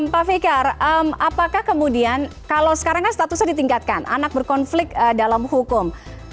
pak fikar apakah kemudian kalau sekarang kan statusnya ditingkatkan anak berkonflik dalam hukum